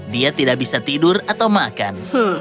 dia tidak bisa tidur atau makan